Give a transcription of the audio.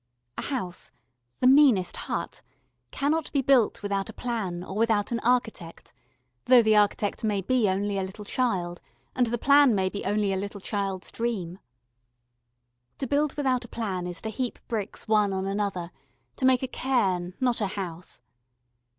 A house the meanest hut cannot be built without a plan or without an architect, though the architect may be only a little child and the plan may be only a little child's dream. To build without a plan is to heap bricks one on another, to make a cairn, not a house.